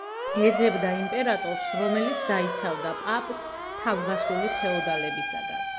ეძებდა იმპერატორს, რომელიც დაიცავდა პაპს თავგასული ფეოდალებისაგან.